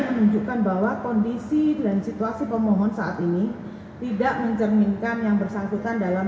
menunjukkan bahwa kondisi dan situasi pemohon saat ini tidak mencerminkan yang bersangkutan dalam